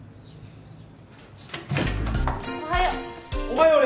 ・おはよう。